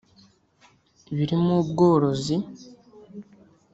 birimo ubworozi